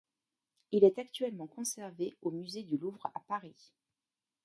Il est actuellement conservé au musée du Louvre à Paris.